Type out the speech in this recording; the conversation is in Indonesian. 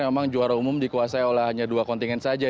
memang juara umum dikuasai oleh hanya dua kontingen saja